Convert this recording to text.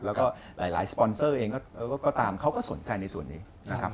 แล้วก็หลายสปอนเซอร์เองก็ตามเขาก็สนใจในส่วนนี้นะครับ